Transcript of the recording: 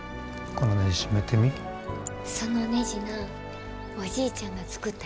そのねじなおじいちゃんが作ったんやで。